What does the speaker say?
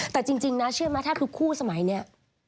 พี่หนิงมาบ่อยนะคะชอบเห็นมั้ยดูมีสาระหน่อย